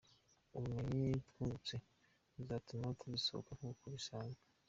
Ubumenyi twungutse buzatuma tuzisohoza nk’uko bisabwa."